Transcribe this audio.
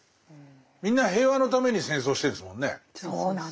みんな平和のために戦争してるんですもんね。